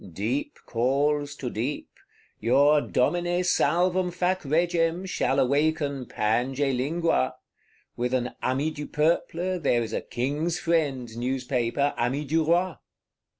Deep calls to deep: your Domine Salvum Fac Regem shall awaken Pange Lingua; with an Ami du Peuple there is a King's Friend Newspaper, Ami du Roi.